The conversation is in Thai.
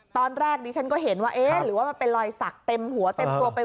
ตอนแรกดิฉันก็เห็นว่าเอ๊ะหรือว่ามันเป็นรอยสักเต็มหัวเต็มตัวไป